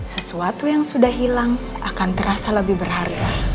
sesuatu yang sudah hilang akan terasa lebih berharga